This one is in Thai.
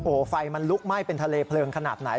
โอ้โหไฟมันลุกไหม้เป็นทะเลเพลิงขนาดไหน